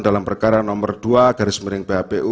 dalam perkara nomor dua garis miring phpu